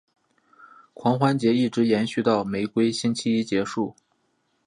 狂欢节一直延续到玫瑰星期一结束。